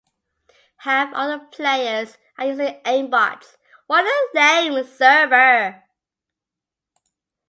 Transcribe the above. Half of the players are using aimbots. What a lame server!